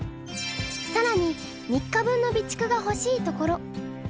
さらに３日分の備蓄がほしいところ。